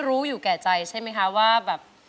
มูลค่า๒หมื่นบาทนะครับ